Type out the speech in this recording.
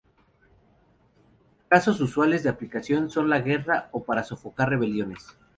Casos usuales de aplicación son la guerra o para sofocar rebeliones.